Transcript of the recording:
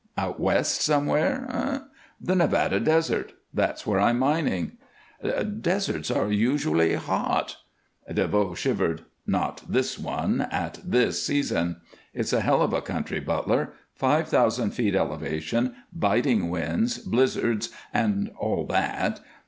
"Out West somewhere, eh?". "The Nevada desert. That's where I'm mining." "Deserts are usually hot." DeVoe shivered. "Not this one, at this season. It's a hell of a country, Butler; five thousand feet elevation, biting winds, blizzards, and all that.